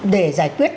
để giải quyết